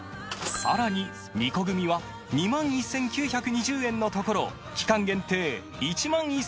さらに２個組は２万１９２０円のところ期間限定